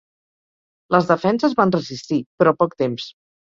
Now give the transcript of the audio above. Les defenses van resistir, però poc temps.